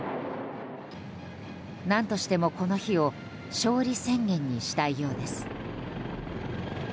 何としてもこの日を勝利宣言にしたいようです。